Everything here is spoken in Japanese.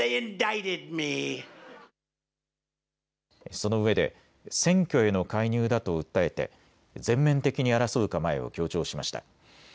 そのうえで選挙への介入だと訴えて全面的に争う構えを強調しました。